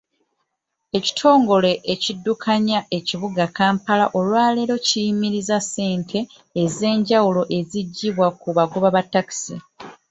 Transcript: Ekitongole ekiddukanya ekibuga Kampala olwaleero kiyimirizza essente ez'enjawulo ezijjibwa ku bagoba ba takisi.